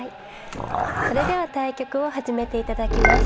それでは対局を始めて頂きます。